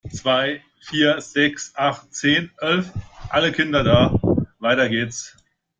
Zwei, Vier, Sechs, Acht, Zehn, Elf, alle Kinder da! Weiter geht's.